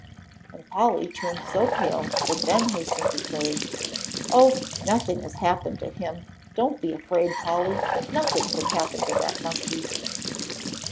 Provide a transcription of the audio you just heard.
And Polly turned so pale that Ben hastened to say, "Oh, nothing has happened to him; don't be afraid, Polly. Nothing could happen to that monkey."